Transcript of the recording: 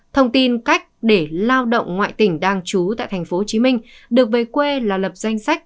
thông tin cách để lao động ngoại tỉnh đang trú tại tp hcm được về quê là lập danh sách